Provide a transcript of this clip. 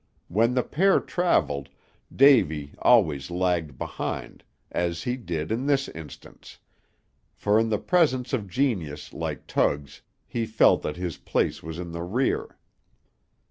When the pair travelled, Davy always lagged behind, as he did in this instance; for in the presence of genius like Tug's, he felt that his place was in the rear.